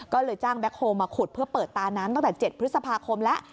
ก็เลยจ้างแบ็คโฮลมาขุดเพื่อเปิดตาน้ำตั้งแต่๗พฤษภาคมแล้ว